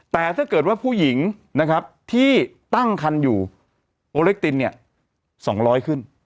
แต่ถ้าเกิดว่าผู้หญิงนะครับที่ตั้งคันอยู่โอเล็กตินเนี่ย๒๐๐ขึ้น